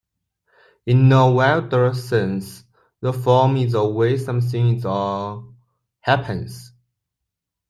In a wider sense, the form is the way something is or happens.